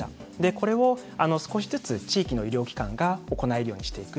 これを少しずつ地域の医療機関が行えるようにしていく。